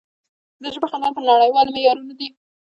د ژبې خدمت په نړیوالو معیارونو دی.